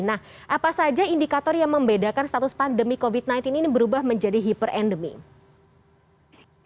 nah apa saja indikator yang membedakan status pandemi covid sembilan belas ini berubah menjadi hiperendemi